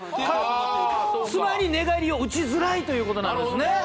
そうかつまり寝返りを打ちづらいということなんですね